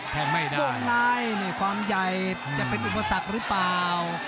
ไม่ได้วงในนี่ความใหญ่จะเป็นอุปสรรคหรือเปล่า